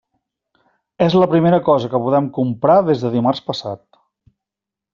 És la primera cosa que podem comprar des de dimarts passat.